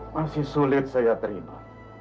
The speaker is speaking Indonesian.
masih sulit saya terima